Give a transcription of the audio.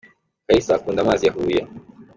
Kalisa Akunda amazi ya huye.